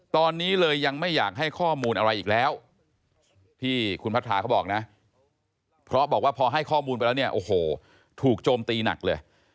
ตอนนี้เลยยังไม่อยากให้ข้อมูลอะไรอีกแล้วที่คุณพัทราเขาบอกนะเพราะบอกว่าพอให้ข้อมูลไปแล้วเนี่ยโอ้โหถูกโจมตีหนักเลย